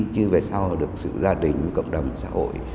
chứ về sau được sự gia đình cộng đồng xã hội